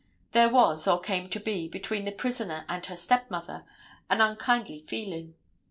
There was, or came to be, between the prisoner and her stepmother, an unkindly feeling.